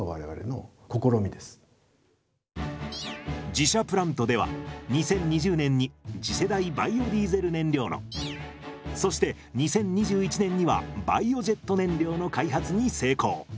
自社プラントでは２０２０年に次世代バイオディーゼル燃料のそして２０２１年にはバイオジェット燃料の開発に成功！